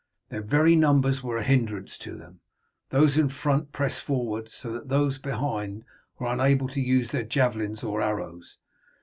Their very numbers were a hindrance to them. Those in front pressed forward, so that those behind were unable to use their javelins or arrows.